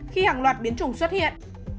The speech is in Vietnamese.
khi hàng loạt biến chủng xuất hiện